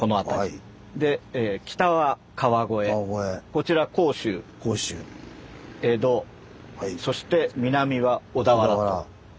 で北は川越こちら甲州江戸そして南は小田原と。